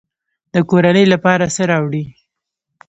د کورنۍ لپاره څه راوړئ؟